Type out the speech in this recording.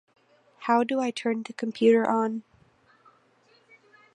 How do I turn the computer on?